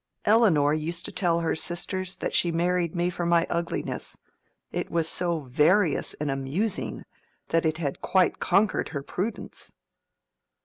Elinor used to tell her sisters that she married me for my ugliness—it was so various and amusing that it had quite conquered her prudence."